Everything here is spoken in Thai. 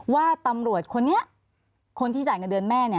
ว่าตำรวจคนนี้คนที่จ่ายเงินเดือนแม่